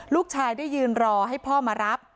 ลูกชายได้ยืนรอให้พ่อมารับ